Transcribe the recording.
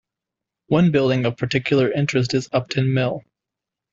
One building of particular interest is Upton Mill.